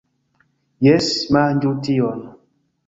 Jes! Manĝu tion!